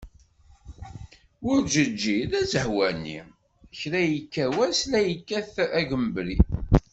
Werǧeǧǧi azehwani, kra yekka wass la yekkat agumbri.